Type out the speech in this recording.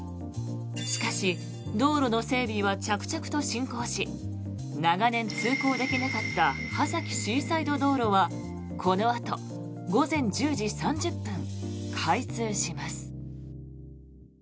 しかし道路の整備は着々と進行し長年通行できなかった波崎シーサイド道路はこのあと午前１０時３０分開通します。